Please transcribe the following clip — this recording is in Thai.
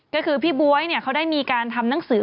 ก็คือพี่บ๊วยเขาได้มีการทำหนังสือ